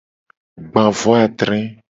Gba vo adre.